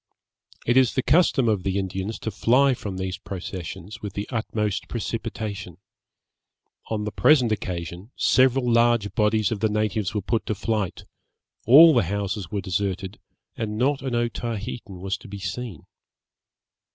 It is the custom of the Indians to fly from these processions with the utmost precipitation. On the present occasion several large bodies of the natives were put to flight, all the houses were deserted, and not an Otaheitan was to be seen.